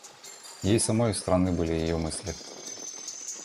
Ей самой странны были ее мысли.